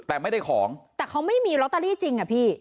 แต่ไม่ได้ของแต่เขาไม่มีลอตเตอรี่จริงอ่ะพี่